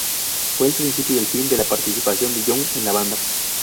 Fue el principio del fin de la participación de Young en la banda.